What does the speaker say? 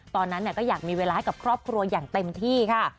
ตอนนั้นก็อยากมีเวลาให้กับครอบครัวอย่างเต็มที่ค่ะ